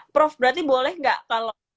prof berarti boleh gak